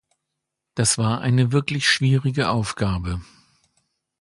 Das war eine wirklich schwierige Aufgabe.